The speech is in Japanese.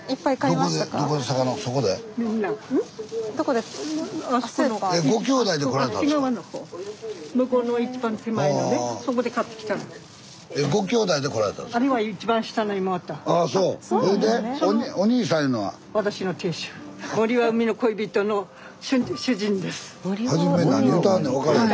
スタジオ初め何言うてはるねん分かれへん。